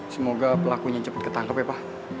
semoga pelakunya cepat ketangkep ya pak